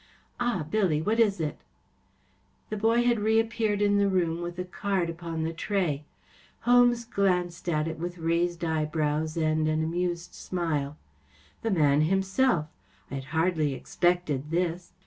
Ah, Billy, what is it ? ‚ÄĚ The boy had re appeared in the room with a card upon a tray. Holmes glanced at it with raised eyebrows and an amused smile. “ The man himself. I had hardly expected this.